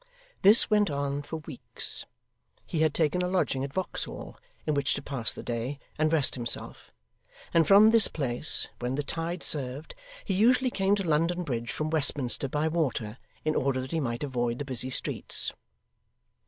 This went on for weeks; he had taken a lodging at Vauxhall in which to pass the day and rest himself; and from this place, when the tide served, he usually came to London Bridge from Westminster by water, in order that he might avoid the busy streets.